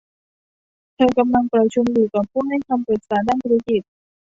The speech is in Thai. เธอกำลังประชุมอยู่กับผู้ให้คำปรึกษาด้านธุรกิจ